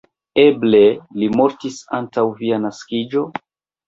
Eble li mortis antaŭ via naskiĝo?